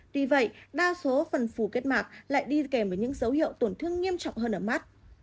tuy vậy đa số phần phủ kết mạng lại đi kèm với những dấu hiệu tổn thương nghiêm trọng hơn ở mắt